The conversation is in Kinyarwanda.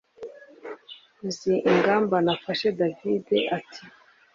uzi ingamba nafashe david ati